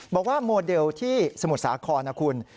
บอกว่าโมเดลที่สมุทรสาครนะคุณ